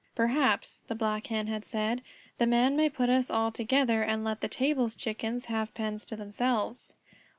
"Perhaps," the Black Hen had said, "the Man may put us all together and let the table's Chickens have pens to themselves."